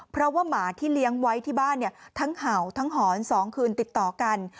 เพราะว่าหมาที่เลี้ยงไว้ที่บ้านทั้งเห่าทั้งหอน๒คืนติดต่อกัน